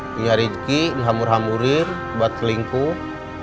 punya rizki dihamur hamurin buat selingkuh